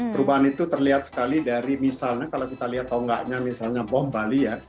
perubahan itu terlihat sekali dari misalnya kalau kita lihat tonggaknya misalnya bom bali ya